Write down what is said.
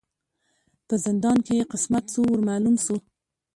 په زندان کی یې قسمت سو ور معلوم سو